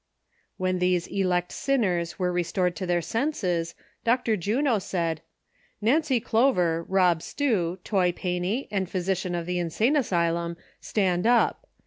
When these elect sinners were restored to their senses. Dr. Juno said : "Nancy Clover, Rob Stew, Toy Pancy and physician of the insane asylum, stand up.